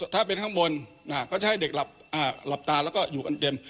ถ้าเป็นข้างบนก็จะให้เด็กหลับตาแล้วก็อยู่กันเต็ม